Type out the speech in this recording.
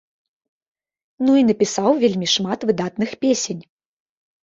Ну і напісаў вельмі шмат выдатных песень.